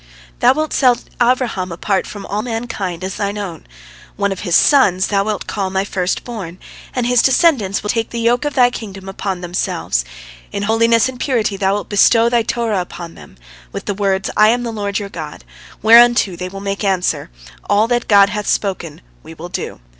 Thou wilt set Abraham apart from all mankind as Thine own; one of his sons Thou wilt call 'My first born'; and his descendants will take the yoke of Thy kingdom upon themselves. In holiness and purity Thou wilt bestow Thy Torah upon them, with the words, 'I am the Lord your God,' whereunto they will make answer, 'All that God hath spoken we will do.'